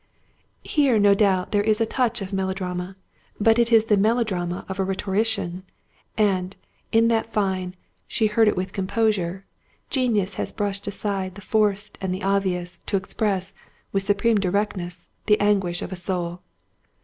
Here, no doubt, there is a touch of melodrama; but it is the melodrama of a rhetorician, and, in that fine "She heard it with composure", genius has brushed aside the forced and the obvious, to express, with supreme directness, the anguish of a soul.